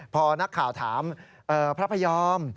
พอนักข่าวถามพระพยอม